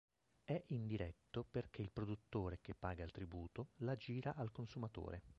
È indiretto perché il produttore, che paga il tributo, la gira al consumatore.